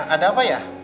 ada apa ya